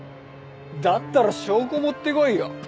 だったら証拠持ってこいよ。